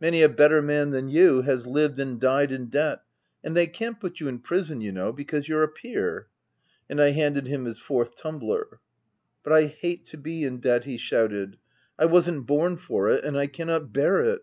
many a better man than you, has lived and died in debt, and they can't put you in prison, you know, because you're a peer.' And I handed him his fourth tumbler. "' But I hate to be in debt V he shouted. 1 I wasn't born for it, and I cannot bear it